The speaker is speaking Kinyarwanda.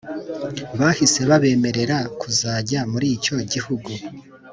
bahise babemerera kuzajya muricyo gihugu